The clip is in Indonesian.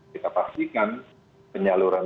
kita pastikan penyaluran